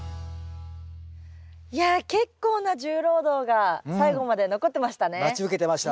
いや結構な重労働が最後まで残ってましたね。